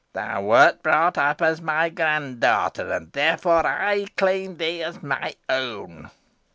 Thou wert brought up as my grand daughter, and therefore I claim thee as my own."